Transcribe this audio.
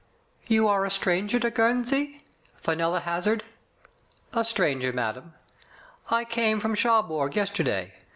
You are a stranger to Guernsey?" Fenella hazarded. "A stranger, madame. I came from Cherbourg yesterday.